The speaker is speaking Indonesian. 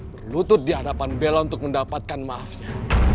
berlutut di hadapan bella untuk mendapatkan maafnya